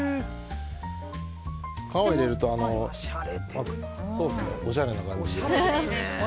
皮を入れるとソースがおしゃれな感じに。